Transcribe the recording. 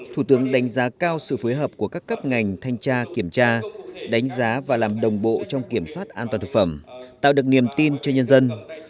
thủ tướng đánh giá cao sự phối hợp của các cấp ngành thanh tra kiểm tra đánh giá và làm đồng bộ trong kiểm soát an toàn thực phẩm tạo được niềm tin cho nhân dân